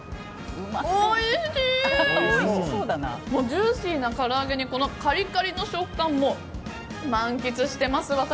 ジューシーなからあげにカリカリの食感も満喫しています、私。